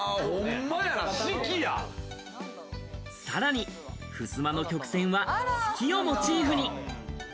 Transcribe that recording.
さらに、ふすまの曲線は月をモチーフに。